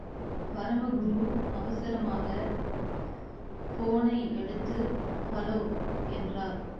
பரமகுரு அவசரமாக போனை எடுத்து ஹலோ! என்றார்.